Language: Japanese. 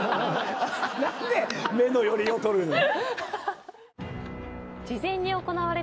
何で目の寄りを撮るの？